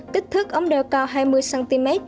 kích thước ống đeo cao hai mươi cm